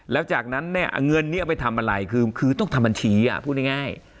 แล้วจากนั้นเนี่ยเงินนี้เอาไปทำอะไรคือต้องทำบัญชีพูดง่าย